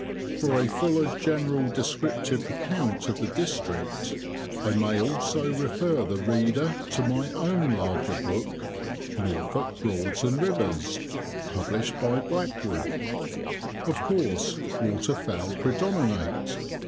For a fuller general descriptive account of the district, I may also refer the reader to my own larger book, "Norfolk Broads and Rivers," published by Blackwood. Of course, water fowl predominate.